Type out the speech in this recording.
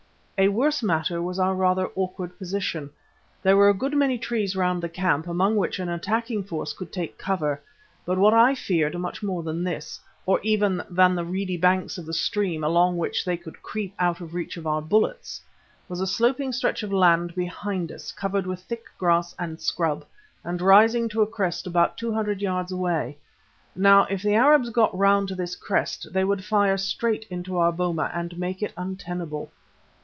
A worse matter was our rather awkward position. There were a good many trees round the camp among which an attacking force could take cover. But what I feared much more than this, or even than the reedy banks of the stream along which they could creep out of reach of our bullets, was a sloping stretch of land behind us, covered with thick grass and scrub and rising to a crest about two hundred yards away. Now if the Arabs got round to this crest they would fire straight into our boma and make it untenable.